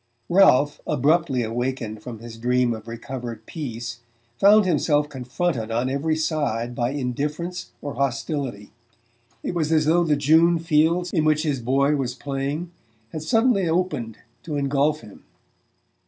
Ralph, abruptly awakened from his dream of recovered peace, found himself confronted on every side by. indifference or hostility: it was as though the June fields in which his boy was playing had suddenly opened to engulph him.